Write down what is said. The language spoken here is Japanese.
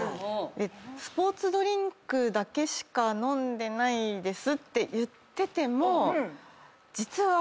スポーツドリンクだけしか飲んでないですって言ってても。